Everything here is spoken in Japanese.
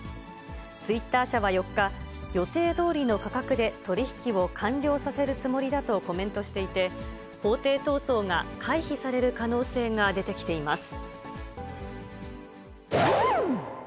ツイッター社は４日、予定どおりの価格で取り引きを完了させるつもりだとコメントしていて、法廷闘争が回避される可能性が出てきています。